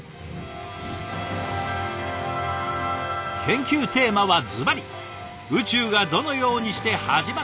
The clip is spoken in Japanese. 研究テーマはずばり「宇宙がどのようにして始まったのか」。